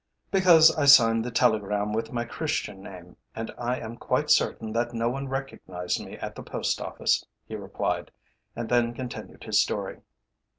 "Because I signed the telegram with my Christian name, and I am quite certain that no one recognised me at the Post Office," he replied, and then continued his story.